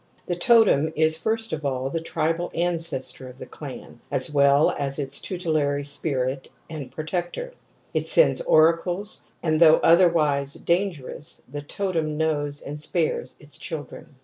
The totem is first of all the tribal ancestor of the clan, as well as its tutelary spirit and protector ; it sends oracles and, though otherwise dangerous, 4 TOTEM AND TABOO I the totem knows and spares its children.